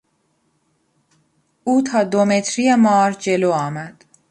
او تا دو متری مار جلو آمد.